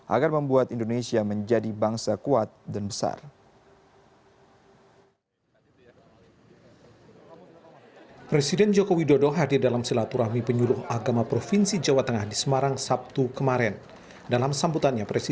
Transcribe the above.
agar membuat indonesia menjadi bangsa kuat dan besar